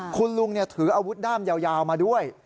คุณลุงถืออาวุธด้ามยาวมาด้วย